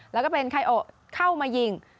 แล้วก็เป็นไคโอเข้ามายิง